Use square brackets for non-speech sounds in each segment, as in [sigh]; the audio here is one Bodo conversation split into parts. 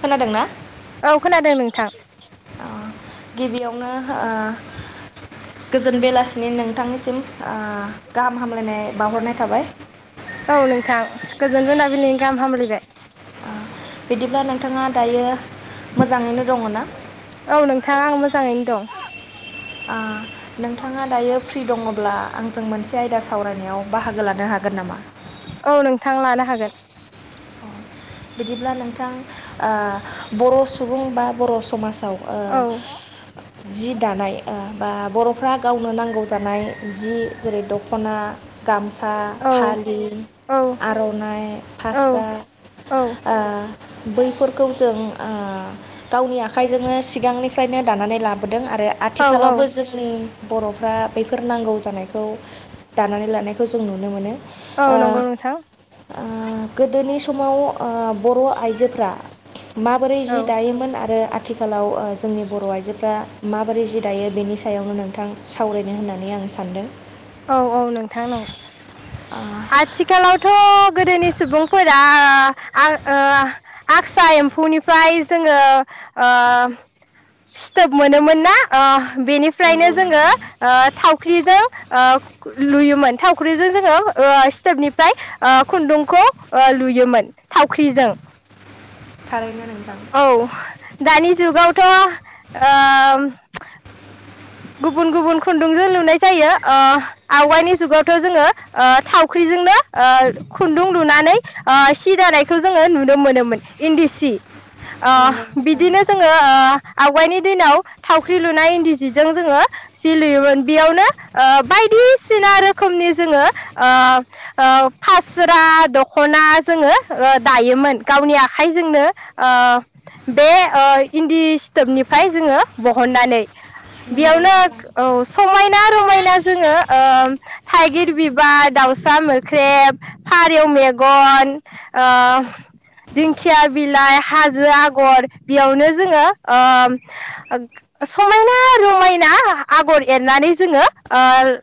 खोनादोंना औ खोनादों नोंथां अ गिबियावनो ओ गोजोन बेलासिनि नोंथांनि बावहरनाय थाबाय [inaudible] औ नोंथां गोजोनबो मोनाबि बिलिनि गाम हामलायबाय ओ बिदिब्ला नोंथाङा दायो मोजाङैनो दङ ना औ नोंथां आं मोजाङैनो दं ओ नोंथाङा दायो फ्रि दङब्ला आंजों मोनसे आयदा सावरायनायाव बाहागो लानो हागोन नामा औ नोंथां लानो हागोन ओ बिदिब्ला नोंथां ओ बर सुबुं बा बर समाज आव ओ औ जि दानाय ओ बा बरफ्रा गावनो नांगौ जानाय जि जेरै दखना गामसा औ फालि औ आरनाइ फास औ दा औ ओ बैफोरखौ जों ओ गावनि आखाइजोंनो सिगांनिफ्रायनो दानानै लाबोद दों आरो औ औ आथिखालावबो जोंनि बरफ्रा बेफोर नांगौ जानायखौ दानानै लानायखौ जों नुनो मोनो औ नंगौ नोंथां गोदोनि समाव ओ बर आइजोफ्रा माबोरै जि औ दायोमोन आरो आ आथिखालाव जोंनि बर आइजोफ्रा माबोरै जि दायो बेनि सायावनो नोंथां सावरायनो होननानै आं सानदों औ औ नोंथां नंगौ आथिखालावथ गोदोनि सुबुंफोरा आगसा एम्फौनिफ्राय जोङो ओ सिथोब मोनोमोन ना बेनिफ्रायनो नंगौ जोङो नोंथां ओ थावख्रिजों लुयोमोन थावख्रिजों जोङो सिथोबनिफ्राय खुन्दुंखौ लुयोमोन थावख्रिजों थारैनो नोंथां औ दानि जुगावथ ओ गुबुन गुबुन खुन्दुंजों लुनाय जायो ओ आवगायनि जुगावथ जोङो ओ थावख्रिजोंनो खुन्दुं लुनानै सि दानायखौ जोङो नुनो मोनोमोन इन्दि सि नंगौ ओ नोंथां बिदिनो जोङो ओ आवगायनि दिनाव थावख्रि लुनाय इन्दि स सिजों जोङो सि लुयोमोन बेयावनो ओ बायदिसिना रोखोमनि ओ ओ जोङो फास्रा दखना जोङो ओ दायोमोन गावनि आखाइजोंनो ओ बे ओ इन्दि सिथोबनिफ्राय जोङो बहननानै नंगौ बेयावनो नोंथां औ समायना रमायना जोङो ओ थाइगिर बिबार, दाउसा मोख्रेब, फारौ मेगन, दिंखिया बिलाइ, हाजो आगर बेयावनो जोङो ओ समायना रमायना आगर एरनानै जोङो ओ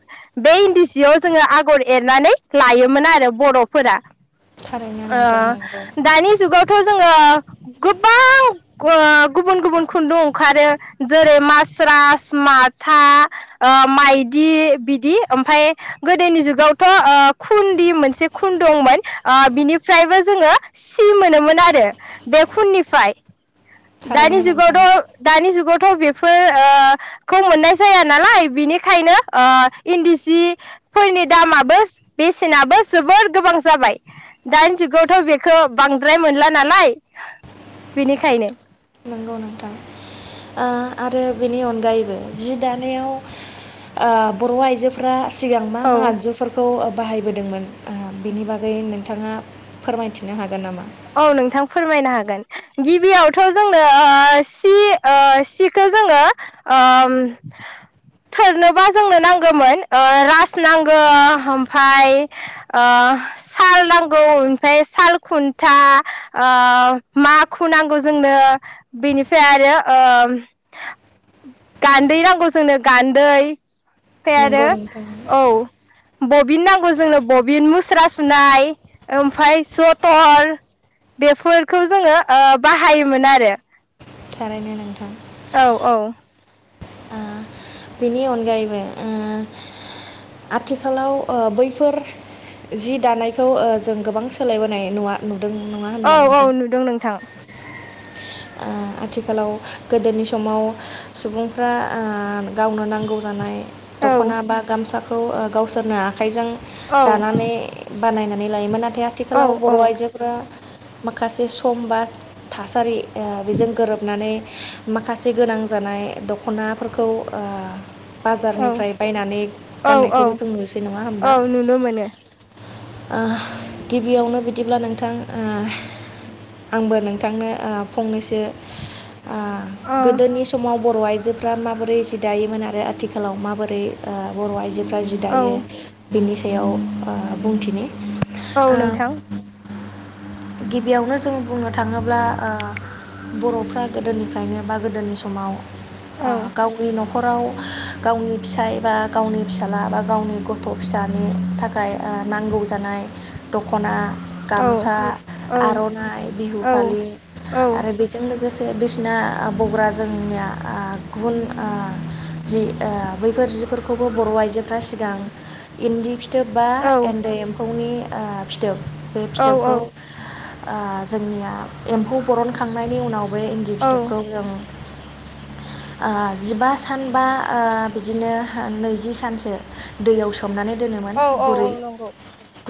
बे इन्दि सियाव जोङो आगर एरनानै लायोमोन आरो बर'फोरा थारैनो नोंथां नंगौ ओ दानि जगावथ जोङो ओ गोबां गुबुन गुबुन खुन्दुं ओंखारो जेरै मास्रास स्रास माथा ओ माइदि बिदि ओमफ्राय गोदोनि जुगावथ ओ खुदि मोनसे खुन दंमोन ओ बिनिफ्रायबो जोङो सि मोनोमोन आरो बे खुननिफ्राय दानि थारैनो जुगावथ नोंथां दानि जुगाव थ बेफोर ओ खौ मोननाय जाया नालाय बिनिखायनो ओ इन्दि सिफोरनि दामाबो बेसेनाबो जोबोर गोबां जाबाय दानि जुगावथ बेखौ बांद्राय मोनला नालाय बेनिखायनो नंगौ नोंथां आरो बेनि अनगायैबो जि दानायाव ओ बर आइजोफ्रा सिगां मा औ मा आगजुफोरखौ ओ बाहायबोदोंमोन ओ बिनि बागै नोंथाङा फोरमायथिनो हागोन नामा औ नोंथां फोरमायनो हागोन गिबियावथ जोंनो ओ सि ओ सिखौ जोङो ओ थोरनोबा जोंनो नांगौमोन ओ रास नांगौ ओमफफ्राय ओ साल नांगौ ओमफ्राय साल खुन न्था ओ माखु नांगौ जोंनो बेनिफ्राय आरो ओ गान्दै नांगौ जोंनो गान्दै ओमफ्राय आरो नंगौ नोंथां औ बबिन नांगौ जोंनो बबिन मुस्रा सुनाय ओमफ्राय जटर बेफोरखौ जोङो ओ बाहायोमोनआरो थारैनो नोंथां औ औ ओ बिनि अनगायैबो ओ आथिखालाव ओ बैफोर जि दानायखौ ओ जों गोबां सोलायबोनाय नुवा नु औ औ नुदों नोंथां आथिखालाव गोदोनि समाव सुबुंफ्रा ओ गावनो नांगौ जानाय औ दखना बा गामसा खौ ओ गावसोरनो आख आखाइजों औ दानानै बानायनानै लायोमोन आरो नाथाय औ आथिखालाव बर आइजोफोरा माखासे सम बा थासारि। ओ बेजों गोरोबनानै माखासे गोनां जानाय दखनाफोरखौ ओ औ बाजारनिफ्राय बायनानै औ औ गाननायखौबो जों नुसै नङा होम्बा औ नुनो मोनो ओ गिबियावनो बिदिब्ला नोंथां ओ आंबो नोंथांनो ओ फंनैसो ओ अ गोदोनि समाव बर आइजो फ्रा माबोरै जि दायोमोन आरो आथिखालाव माबोरै ओ बर' आइजो फ्रा जि औ दायो बेनि सो बेयाव ओ बुंथिनि औ नोंथां। गिबियावनो जों बुंनो थाङोब्ला ओ बरफ्रा गोदोनिफ्रायनो बा गोदोनि समाव ओ औ गावनि नखर नखराव गावनि फिसाय बा गावनि फिसाला बा गावनि गथ' फिसानि थाखाय ओ नांगौ जानाय दखना औ गामसा औ आरनाइ बिहु औ फालि औ आरो बेजों लोगोसे बिसिना बग्रा जोंनिया ओ गुबुन ओ जि बैफोर जिफोरखौबो बर आइजोफ्रा सिगां इन्दि फि थोब बा औ एन्दै एम्फौनि ओ फिथोब बे फिथोबखौ ओ जोंनिया एम्फौ बरनखांनायनि उनाव बे इन्दि फिथाबखौ जों ओ जिबा सान बा ओ बिदिनो नैजि सानसो दैयाव सो सोमनानै दोनोमोन औ औ गुरै नंगौ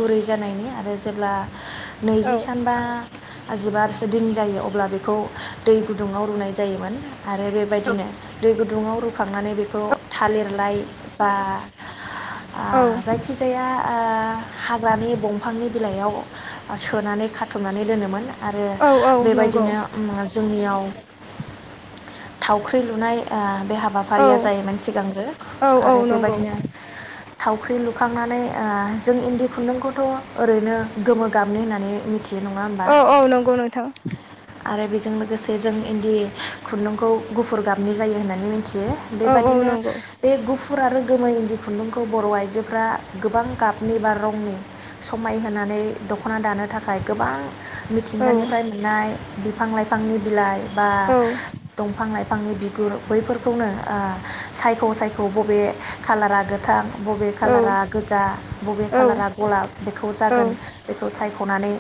गुरै जानायनि आरो जेब्ला नैजि औ सानबा आजिबारसो दिन जायो अब्ला बेखौ दै गुदुङाव रुनाय जायोमोन आरो बेबायदिनो दै गुदुङाव रुखांनानै बेखौ थालिरलाय बा ओ औ जायखिजाया आ हाग्रानि दंफांनि बिलाइयाव सोनानै खाथबनानै दोनोमोन आरो औ औ नंगौ बेबायदिनो मो जोंनियाव थावख्रि लुनाय आ बे औ हाबाफारिया जायोमोन सिगांग्रो औ औ आरो नंगौ बेबायदिनो थावख्रि लुखांनानै ओ जों इन्दि खुन्दुंखौथ ओरैनो गोमो गाबनि होननानै मि औ औ नंगौ नोंथां। आरो बेजों लोगोसे जों इन्दि खुन्दुंखौ गुफुर गाबनि जायो होननानै मि थियो औ औ बेबादिनो नंगौ बे गु फुर आरो गोमो इन्दि खुन्दुंखौ बर'आइजोफ्रा गोबां गाबनि बा रंनि समायहोनानै दख'ना दानो थाखाय गोबां औ मिथिंगानिफ्राय मोननाय बिफां लाइफांनि बिलाइ बा औ दंफां लाइ फांनि बिगुर बैफोरखौनो ओ सायख सायख बबे कालारा गोथां बबे औ खालारा गोजा बबे औ खालारा गलाब बेखौ जागोन खौ सायखनानै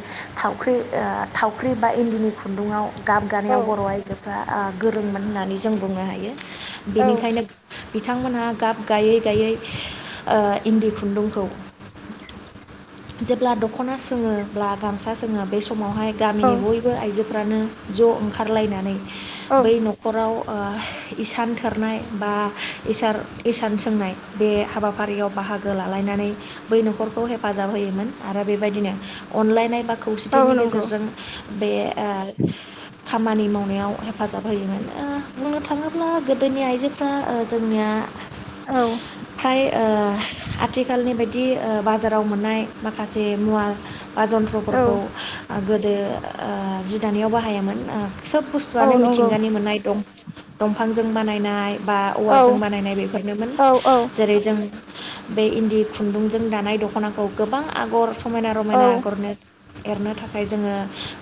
थावख्रि ओ थावख्रि बा इन्दिनि खुन्दुंङाव गाब गानायाव बर'आइजो बा गोरोंमोन होननानै जों बुंनो हायो। बेनिखायनो बिथांमोनहा गाब गायै गायै ओ इन्दि खुन्दुंखौ जेब्ला दं खना सोंङोब्ला गामसा सोंङो बे समावहाय औ गामिनि बयबो आइजोफ्रानो ज ओंखारलायनानै औ बै नखराव ओ इसान थोरनाय बा इसार इसान सोंनाय बे हाबाफारियाव बाहागो लालायनानै बै नखरखौ हेफाजाब होयोमोन आरो बेबायदिनो अनलायनाय बा औ खौसेथिनि नंगौ गेजेरजों बे ओ खामानि माव नायाव हेफाजाब होयोमोन ओ बुंनो थांङोब्ला गोदोनि आइजोफ्रा ओ जोंनिया औ ओ आथिखालनि बादि ओ बाजाराव मोननाय माखा जे मुवा बा औ जन्थ्रफोरखौ गोदो ओ जि दानायाव बाहायामोन ओ सोब औ बुस्थुआनो नंगौ मिथिंगानि मोननाय दं-दंफांजों बाना नाय बा औवा औ जों बानायनाय बेफोरनोमोन औ औ जेरै जों बे इन्दि खुन्दुंजों दानाय दख'नाखौ आगर समायना औ रमायना आगरनो एरनो था खाय जोंङो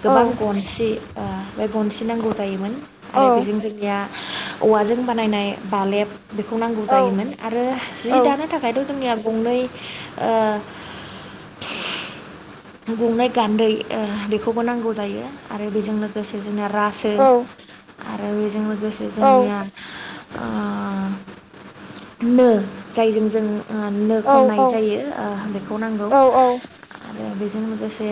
गोबां गनसि ओ बे गनसि नांगौ जायोमोन। आरो बेजों जोंनिया औवाजों बानायनाय बालेब बेखौ नांगौ जायोमोन आरो जि दानो थाखायथ जोंनिया गंनै ओ गंनै गान्दै ओ बेखौबो नांगौ जायो आरो बेजों लोगोसे जोंना रासो आरो औ आरो बेजों लोगो लोगोसे औ जोंनिया ओ नो जायजों जों नो औ खननाय जायो ओ बेखौ नांगौ। औ औ। जे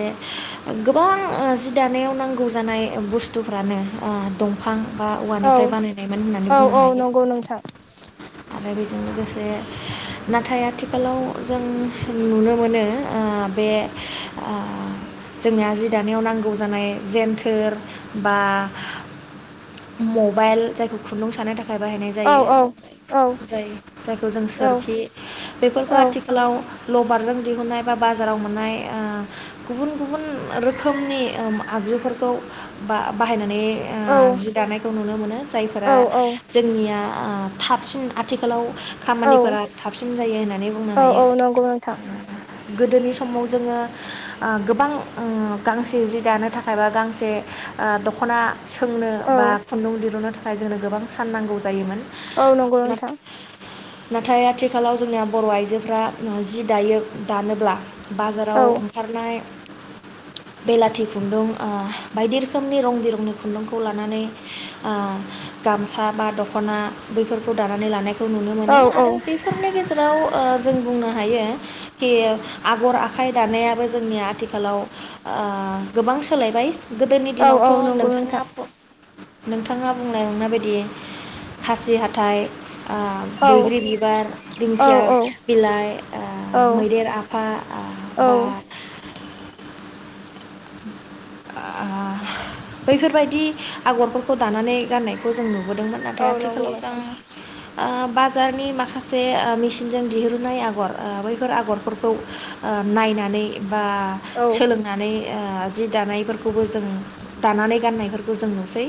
गोबां ओ जि दानायाव नांगौ जानाय बुस्थुफ्रानो ओ दंफां बा औ औवानिफ्राय बानायनायमोन होननानै औ बुंनो औ हायो नंगौ नोंथां आरो बे बेजों लोगोसे नाथाय आथिखालाव जों नुनो मोनो आ बे आ जोंनिया जि दानायाव नांगौ जानाय जेन्थोर बा मबाइल जायखौ खुन्दुं सानो थाखाय थाखाय बाहायनाय औ जायो, औ औ जाय जायखौ जों सोरखि बेफोरखौ औ आथिखालाव लबारजों दिहुननाय बा बाजाराव मोननाय ओ गुबुन गुबुन रोखोमनि आगजुफोरखौ बा-बाहायनानै ओ औ जि दानायखौ नुनो नुनो मोनो। औ जायफोरा जोंनिया ओ थाबसिन आथिखालाव। औ खामानिफोरा थाबसिन जायो होननानै बुंनो औ हायो औ नंगौ नोंथां ओ गोदोनि समाव जोङो गोबां गांसे जि दानो थाखाय बा गांसे ओ दखना सोंनो बा औ खुन्दुं दिरुननो थाखाय जोंनो गोबां सान नांगौ जायोमोन औ नंगौ नोंथां। नाथाय आथिखालाव जोंनिया बर आइजोफ्रा जि दायो दानोब्ला बाजाराव औ ओंखारनाय बेलाथि खुन्दुं ओ बायदि रोखोमनि रं बिरंनि खुन्दुंखौ लानानै ओ गामसा बा दखना बैफोरखौ दानानै लानाय खौ नुनो औ मोनो आरो बेफोरनि गेजेराव ओ जों बुंनो हायो खि आगर आखाइ दानायाबो जोंनि आ आथिखालाव ओ गोबां सोलायबाय गोदोनि औ दिनावथ नंगौ नोंथां नोंथाङा नोंथाङा बुंनाय नंनाय बायदि खासि हाथाइ ओ औ बैग्रि बिबार औ नंगौ नोंथां औ दिंखिया, औ बिलाइ ओ मैदेर आफा ओ बा ओ बैफोरबायदि आगरफोरखौ दानानै गाननायखौ जों नु बोदोंमोन औ नाथाय नंगौ आथिखालाव जों नोंथां ओ बाजारनि माखासे ओ मेसिनजों दिहुननाय आगर बैफोर आगरफोरखौ नायनानै बा सोलोंनानै ओ जि दानायफोरखौबो जों दानानै गाननायफोरखौ जों नुसै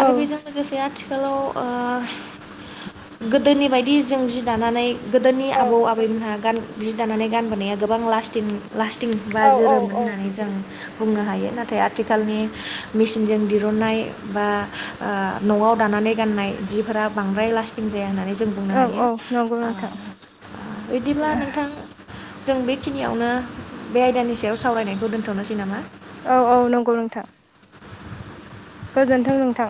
आरो बेजों गो लोगोसे आरो आथिखालाव ओ गोदोनि बायदि जों जि दानानै गोदोनि आबौ आबैमोनहा गान जि दानानै गानबोनाया गोबां लास्टिं लास्टिं बा जोरोमोन होननानै जों बुंनो हायो नाथाय आथिखालनि मेसिनजों दिरुन्नाय बा ओ नआव दानानै गाननाय जिफोरा बांद्राय लास्टिं जाया होननानै जों बुंनो हायो। बिदिब्ला नोंथां जों बेखिनियावनो बे आयदानि सायाव सावरायनायखौ दोन थ'नोसै नामा? औ औ नंगौ नोंथां। गोजोनथों नोंथां।